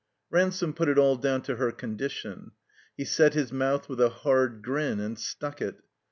Ransome put it all down to her condition. He set his mouth with a hard grin and stuck it.